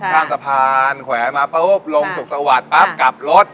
ข้างสะพานแขวนมาปุ๊บลงสุขสวัสดิ์ปั๊บกลับรถ